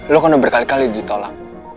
lo kena berkali kali ditolak